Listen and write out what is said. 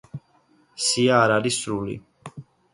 სია არ არის სრული.